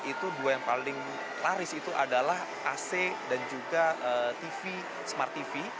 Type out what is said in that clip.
itu dua yang paling laris itu adalah ac dan juga tv smart tv